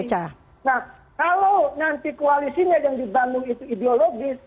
nah kalau nanti koalisinya yang dibangun itu ideologis